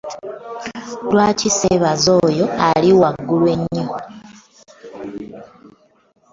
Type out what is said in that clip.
Lwaki ssebaza oyo ali waggulu ennyo?